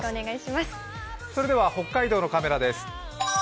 それでは北海道のカメラです。